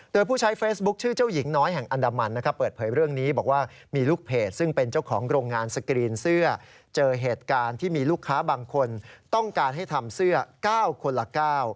ต้องการให้ทำเสื้อ๙คนละ๙